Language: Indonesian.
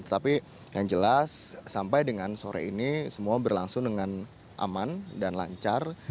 tetapi yang jelas sampai dengan sore ini semua berlangsung dengan aman dan lancar